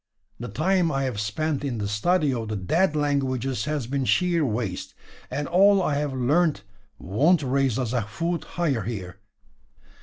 The time I have spent in the study of the dead languages has been sheer waste; and all I have learnt wont raise us a foot higher here.